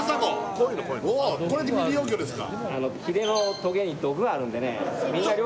これが未利用魚ですか。